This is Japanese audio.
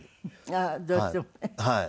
ああどうしてもね。はい。